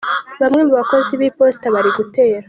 Bamwe mu bakozi b'Iposita bari gutera .